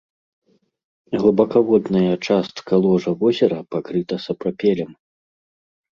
Глыбакаводная частка ложа возера пакрыта сапрапелем.